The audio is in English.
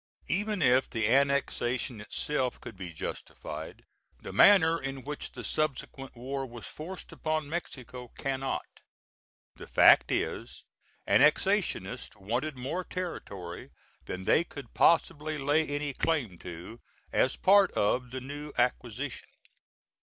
Even if the annexation itself could be justified, the manner in which the subsequent war was forced upon Mexico cannot. The fact is, annexationists wanted more territory than they could possibly lay any claim to, as part of the new acquisition.